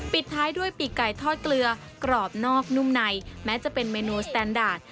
ปิดท้ายด้วยปีกไก่ทอดเกลือกรอบนอกนุ่มในแม้จะเป็นเมนูสแตนดาร์ด